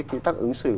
cái tắc ứng xử